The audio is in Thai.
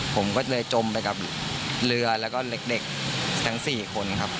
ผมก็เลยจมไปกับเรือแล้วก็เด็กทั้ง๔คนครับ